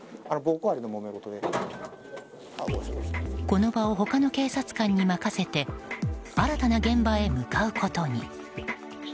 この場を他の警察官に任せて新たな現場へ向かうことに。